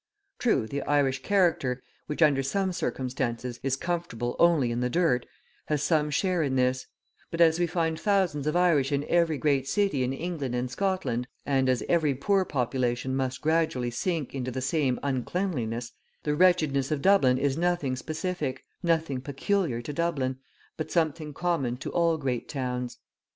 True, the Irish character, which, under some circumstances, is comfortable only in the dirt, has some share in this; but as we find thousands of Irish in every great city in England and Scotland, and as every poor population must gradually sink into the same uncleanliness, the wretchedness of Dublin is nothing specific, nothing peculiar to Dublin, but something common to all great towns.